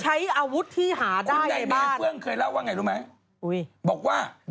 ใช้อาวุธที่หาได้ในบ้าน